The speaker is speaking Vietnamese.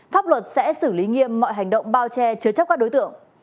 pháp luật sẽ xử lý nghiêm mọi hành động bao che chứa chấp các đối tượng